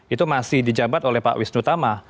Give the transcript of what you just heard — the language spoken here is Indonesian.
itu masih di jabat oleh pak wisnu tama